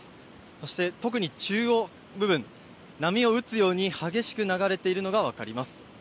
そして特に中央部分波を打つように激しく流れているのが分かります。